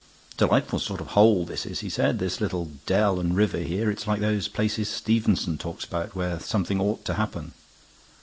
"Delightful sort of hole this is," he said. "This little dell and river here. It's like those places Stevenson talks about, where something ought to happen."